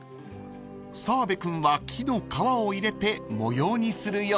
［澤部君は木の皮を入れて模様にするよう］